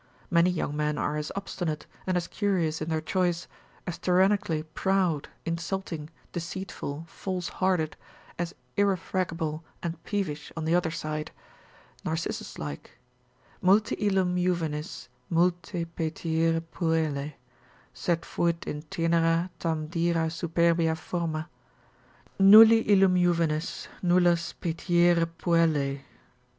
Many young men are as obstinate, and as curious in their choice, as tyrannically proud, insulting, deceitful, false hearted, as irrefragable and peevish on the other side; Narcissus like, Multi illum juvenes, multae petiere puellae, Sed fuit in tenera tam dira superbia forma, Nulli illum juvenes, nullas petiere puellae.